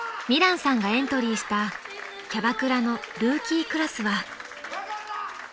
［美蘭さんがエントリーしたキャバクラのルーキークラスは］